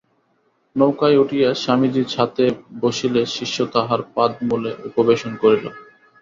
নৌকায় উঠিয়া স্বামীজী ছাতে বসিলে শিষ্য তাঁহার পাদমূলে উপবেশন করিল।